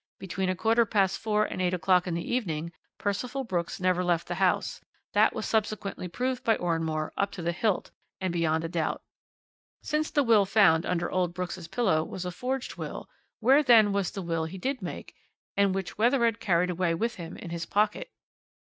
Between a quarter past four and eight o'clock in the evening Percival Brooks never left the house that was subsequently proved by Oranmore up to the hilt and beyond a doubt. Since the will found under old Brooks' pillow was a forged will, where then was the will he did make, and which Wethered carried away with him in his pocket?"